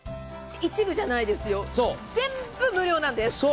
一部じゃないですよ、全部無料なんです。